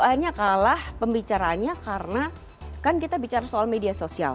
hanya kalah pembicaraannya karena kan kita bicara soal media sosial